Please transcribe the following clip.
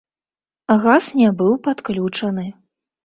Газ не быў падключаны.